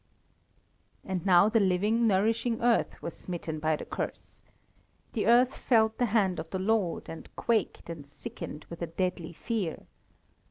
And now the living, nourishing earth was smitten by the curse. The earth felt the hand of the Lord, and quaked and sickened with a deadly fear.